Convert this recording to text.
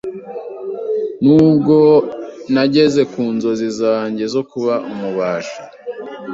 N’ubwo nageze ku nzozi zange zo kuba umubaji